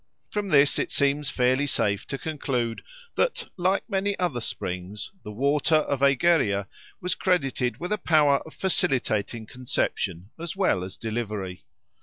From this it seems fairly safe to conclude that, like many other springs, the water of Egeria was credited with a power of facilitating conception as well as delivery.